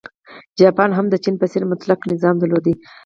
جاپان هم د چین په څېر مطلقه نظام درلود.